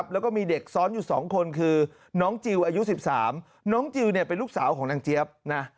แล้วก็มีเด็กซ้อนอยู่๒คนคือน้องจิลอายุ๑๓น้องจิลเป็นลูกสาวของนางเจี๊ยบนะ